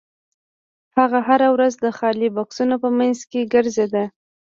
هغه هره ورځ د خالي بکسونو په مینځ کې ګرځیده